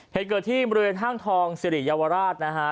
เหตุเกิดที่บริเวณห้างทองสิริเยาวราชนะฮะ